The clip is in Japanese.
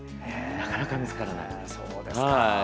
なかなか見つからない。